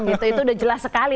itu sudah jelas sekali